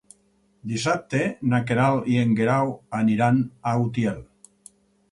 Dissabte na Queralt i en Guerau aniran a Utiel.